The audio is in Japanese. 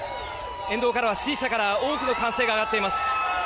沿道からは支持者から大きな歓声が上がっています。